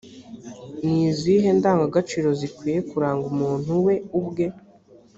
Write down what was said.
ni izihe ndangagaciro zikwiye kuranga umuntu we ubwe ‽